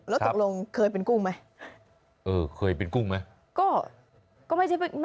แล้วตกลงเคยเป็นกุ้งไหมเออเคยเป็นกุ้งไหม